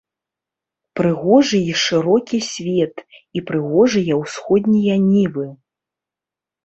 Прыгожы і шырокі свет, і прыгожыя ўсходнія нівы.